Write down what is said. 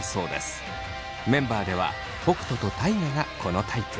メンバーでは北斗と大我がこのタイプ。